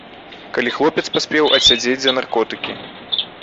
Калі хлопец паспеў адсядзець за наркотыкі.